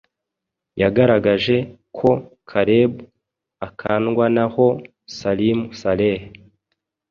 yagaragaje ko Caleb Akandwanaho (Salim Saleh)